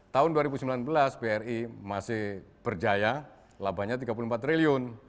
tahun dua ribu sembilan belas bri masih berjaya labanya rp tiga puluh empat triliun